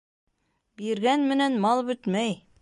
Биргән менән мал бөтмәй.